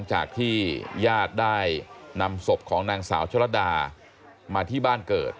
จากที่ญาติได้นำศพของนางสาวชะลัดดามาที่บ้านเกิด